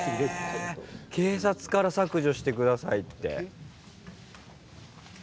警察から削除して下さいって。